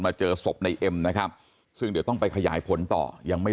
เจอศพในเอ็มนะครับซึ่งเดี๋ยวต้องไปขยายผลต่อยังไม่